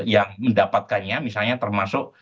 yang mendapatkannya misalnya termasuk